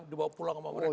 dibawa pulang sama mereka